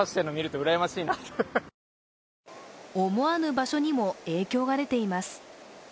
思わぬ場所にも影響が出ています。